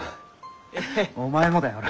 お前もだよほら。